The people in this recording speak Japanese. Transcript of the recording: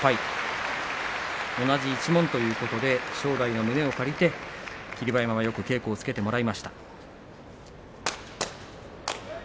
同じ一門ということで正代の胸を借りて霧馬山がよく稽古をつけてもらいました。